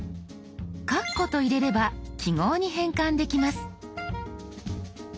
「かっこ」と入れれば記号に変換できます。